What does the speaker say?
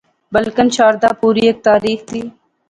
بلکن شاردا پوری ہیک تاریخ دی